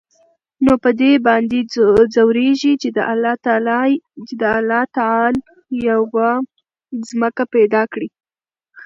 نو په دې باندې ځوريږي چې د الله تعال يوه ځمکه پېدا کړى.